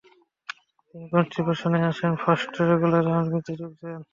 তিনি কন্সটান্টিনপল আসেন first regular আর্মিতে যোগ দেন।